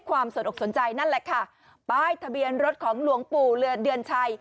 สนอกสนใจนั่นแหละค่ะป้ายทะเบียนรถของหลวงปู่เรือนเดือนชัย